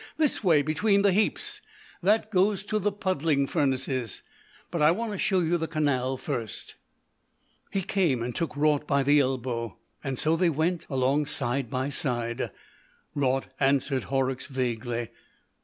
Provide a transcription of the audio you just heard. This way, between the heaps. That goes to the puddling furnaces, but I want to show you the canal first." He came and took Raut by the elbow, and so they went along side by side. Raut answered Horrocks vaguely.